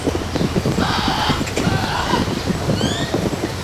Police ধারণা করছে, cable টিভির ব্যবসা নিয়ে ফরহাদ খুন হতে পারেন।